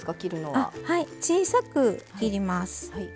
はい、小さく切ります。